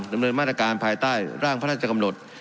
ดำเนินมาตรการภายใต้ร่างพระราชกำหนด